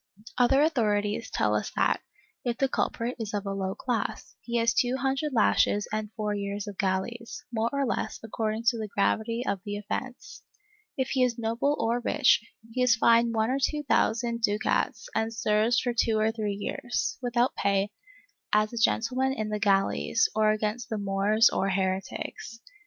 ^ Other authorities tell us that, if the culprit is of a low class, he has two hundred lashes and four years of galleys, more or less according to the gravity of the offence; if he is a noble or rich, he is fined one or two thousand ducats and serves for two or three years, without pay, as a gentle man in the galleys, or against the Moors or heretics.